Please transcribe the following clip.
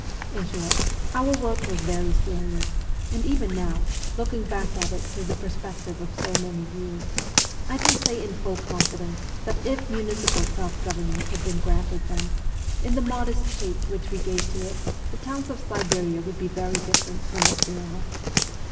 In short, our work was very serious ; and even now, looking back at it through the perspective of so many years, I can say in full confidence that if municipal self government had been granted then, in the modest shape which we gave to it, the towns of Siberia would be very different from what they are.